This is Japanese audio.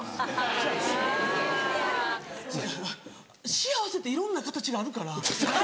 幸せっていろんな形があるから。